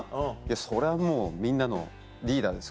そりゃもうみんなのリーダーですから。